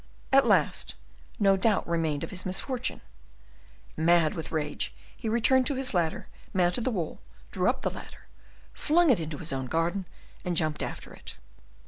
At last no doubt remained of his misfortune. Mad with rage, he returned to his ladder, mounted the wall, drew up the ladder, flung it into his own garden, and jumped after it.